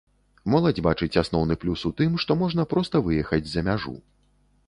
Моладзь бачыць асноўны плюс у тым, што можна проста выехаць за мяжу.